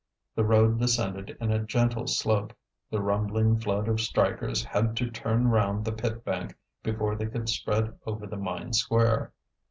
The road descended in a gentle slope; the rumbling flood of strikers had to turn round the pit bank before they could spread over the mine square.